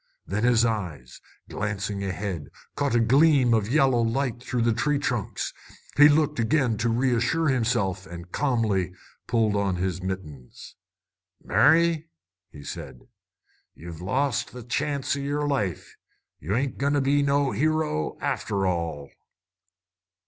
Then his eyes, glancing ahead, caught a gleam of yellow light through the tree trunks. He looked again, to assure himself, and calmly pulled on his mittens. "Mary," said he, "you've lost the chance o' yer life. Ye ain't goin' to be no hero, after all!"